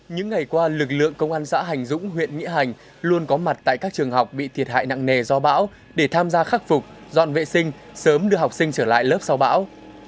những ngày qua lực lượng công an xã hành dũng huyện nghĩa hành luôn có mặt tại các trường học bị thiệt hại nặng nề do bão để tham gia khắc phục dọn vệ sinh sớm đưa học sinh trở lại lớp sau bão